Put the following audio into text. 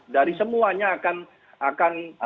dari semuanya akan